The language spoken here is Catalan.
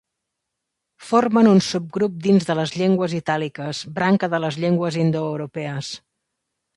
Formen un subgrup dins de les llengües itàliques, branca de les llengües indoeuropees.